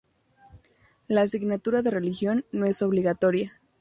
La asignatura de religión no es obligatoria.